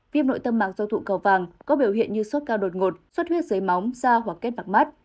viêm nội tâm mạc do tụ cầu vang có biểu hiện như suất cao đột ngột suất huyết dưới móng da hoặc kết bạc mắt